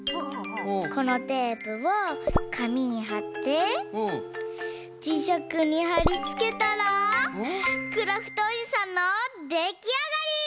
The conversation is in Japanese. このテープをかみにはってじしゃくにはりつけたらクラフトおじさんのできあがり！